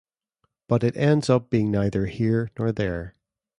But it ends up being neither here nor there.